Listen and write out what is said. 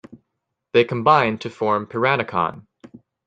They combine to form Piranacon.